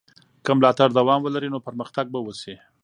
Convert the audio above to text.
که ملاتړ دوام ولري نو پرمختګ به وسي.